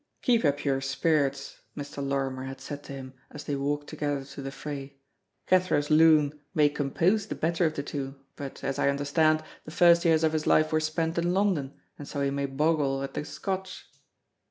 "Keep up your spirits," Mr. Lorrimer had said to Mm as they walked together to the fray, "Cathro's loon may compose the better of the two, but, as I understand, the first years of his life were spent in London, and so he may bogle at the Scotch."